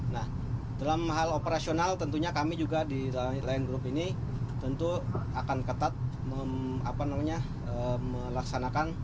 nah dalam hal operasional tentunya kami juga di lion group ini tentu akan ketat melaksanakan